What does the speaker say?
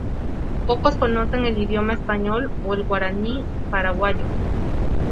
Pocos conocen el idioma español o el guaraní paraguayo.